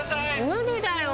無理だよ